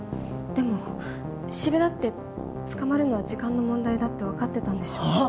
でも四部だって捕まるのは時間の問題だってわかってたんでしょ？はあ！？